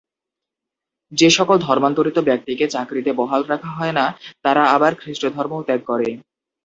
যে-সকল ধর্মান্তরিত ব্যক্তিকে চাকরিতে বহাল রাখা হয় না, তারা আবার খ্রীষ্টধর্মও ত্যাগ করে।